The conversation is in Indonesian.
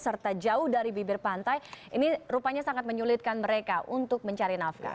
serta jauh dari bibir pantai ini rupanya sangat menyulitkan mereka untuk mencari nafkah